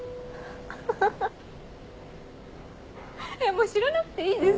もう知らなくていいです。